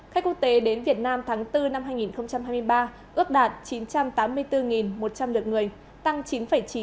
khách quốc tế đến việt nam tháng bốn năm hai nghìn hai mươi ba ước đạt chín trăm tám mươi bốn một trăm linh lượt người